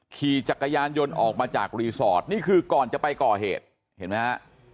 ขี่จักรยานยนต์ออกมาจากรีสอร์ทนี่คือก่อนจะไปก่อเหตุเห็นไหมฮะ